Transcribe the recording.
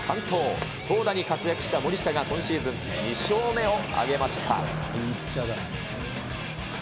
投打に活躍した森下が、今シーズン２勝目を挙げました。